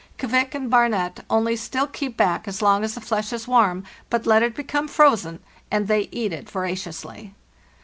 ' Kvik' and ' Barnet' only still keep back as long as the flesh is warm, but let it become frozen, and they eat it voraciously.